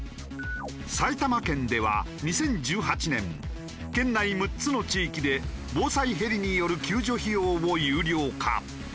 埼玉県では２０１８年県内６つの地域で防災ヘリによる救助費用を有料化。